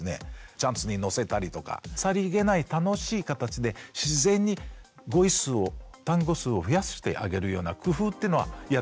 チャンツにのせたりとかさりげない楽しい形で自然に語彙数を単語数を増やしてあげるような工夫っていうのはやっておいた方がいいかもしれませんね。